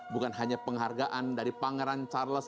bukan hanya penghargaan dari pangeran charles